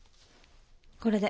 これで。